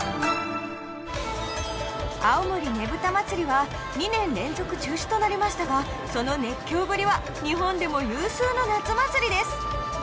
青森ねぶた祭は２年連続中止となりましたがその熱狂ぶりは日本でも有数の夏祭りです